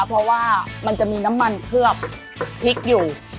เพราะว่ามันจะมีน้ำมันเคลือบพริกอยู่